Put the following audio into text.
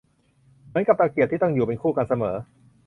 เหมือนกับตะเกียบที่ต้องอยู่เป็นคู่กันเสมอ